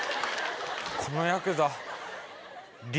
このヤクザ理